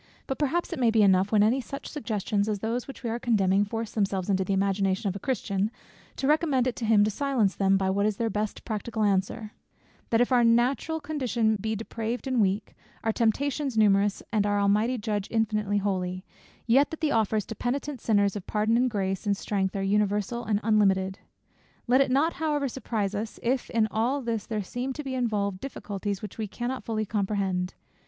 But perhaps it may be enough when any such suggestions as those which we are condemning force themselves into the imagination of a Christian, to recommend it to him to silence them by what is their best practical answer: that if our natural condition be depraved and weak, our temptations numerous, and our Almighty Judge infinitely holy; yet that the offers to penitent sinners of pardon and grace, and strength, are universal and unlimited. Let it not however surprise us, if in all this there seem to be involved difficulties which we cannot fully comprehend.